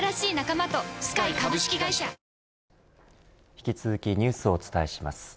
引き続きニュースをお伝えします。